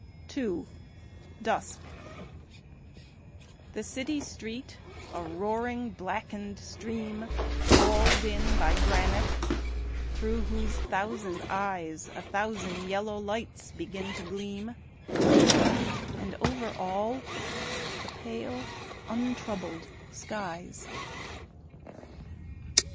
II Dusk The city's street, a roaring blackened stream Walled in by granite, thro' whose thousand eyes A thousand yellow lights begin to gleam, And over all the pale untroubled skies.